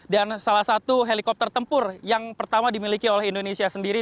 dan salah satu helikopter tempur yang pertama dimiliki oleh indonesia sendiri